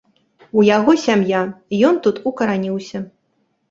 У яго сям'я, ён тут укараніўся.